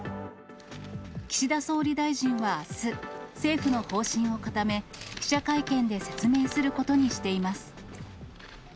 岸田総理大臣はあす、政府の方針を固め、記者会見で説明することにしています。